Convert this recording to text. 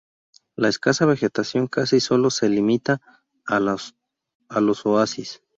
La escasa vegetación casi solo se limita a los oasis.